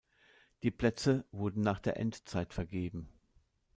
Die Plätze wurden nach der Endzeit vergeben.